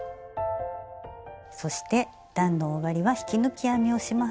そして段の終わりは引き抜き編みをします。